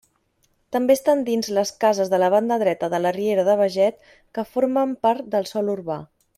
També estan dins les cases de la banda dreta de la riera de Beget que formen part del sòl urbà.